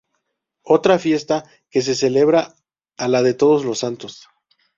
Otra fiesta que se celebra a la de Todos los Santos.